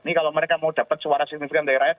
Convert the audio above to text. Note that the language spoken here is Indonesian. ini kalau mereka mau dapat suara signifikan dari rakyat